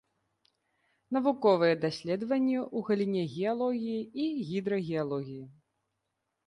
Навуковыя даследаванні ў галіне геалогіі і гідрагеалогіі.